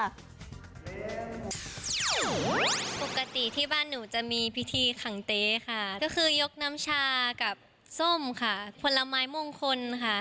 ปกติที่บ้านหนูจะมีพิธีขังเต๊ค่ะก็คือยกน้ำชากับส้มค่ะผลไม้มงคลค่ะ